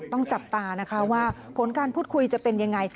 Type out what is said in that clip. ต้องจับตาว่าผลการพูดคุยจะเป็นอย่างไร